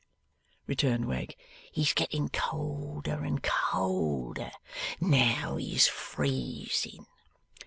returned Wegg, 'he's getting colder and colder. Now he's freezing!